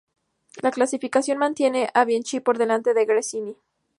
La clasificación mantiene a Bianchi por delante de Gresini.